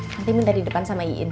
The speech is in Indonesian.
nanti minta di depan sama iin